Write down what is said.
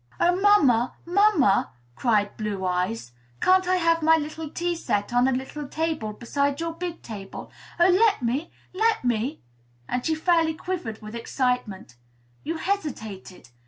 "Oh, mamma, mamma," cried Blue Eyes, "can't I have my little tea set on a little table beside your big table? Oh, let me, let me!" and she fairly quivered with excitement. You hesitated.